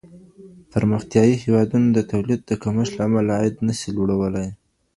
پرمختيايي هېوادونه د توليد د کمښت له امله عايد نه سي لوړولای.